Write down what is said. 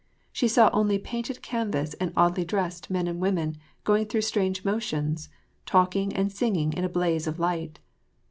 She saw only painted canvas and oddly dressed men and women going through strange motions, talking and singing in a blaze of light.